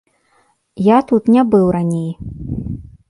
Я тут не быў раней.